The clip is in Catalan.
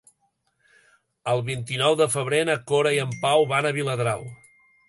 El vint-i-nou de febrer na Cora i en Pau van a Viladrau.